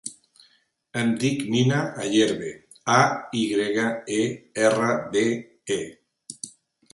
Em dic Nina Ayerbe: a, i grega, e, erra, be, e.